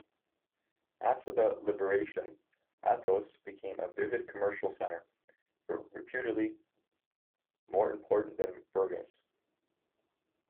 After the Liberation, Aytos became a vivid commercial center, reputedly more important than Burgas.